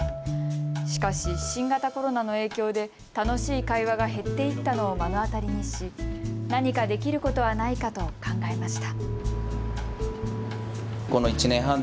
しかし新型コロナの影響で、楽しい会話が減っていったのを目の当たりにし何かできることはないかと考えました。